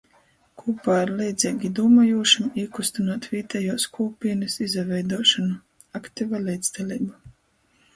Kūpā ar leidzeigi dūmojūšim īkustynuot vītejuos kūpīnys izaveiduošonu. Aktiva leidzdaleiba.